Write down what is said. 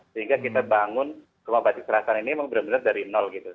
sehingga kita bangun rumah batik selatan ini memang benar benar dari nol gitu